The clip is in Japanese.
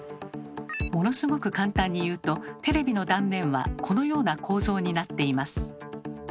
ものすごく簡単に言うとテレビの断面はこのような構造になっています。